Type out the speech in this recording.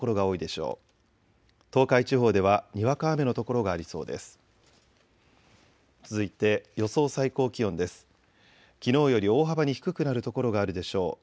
きのうより大幅に低くなる所があるでしょう。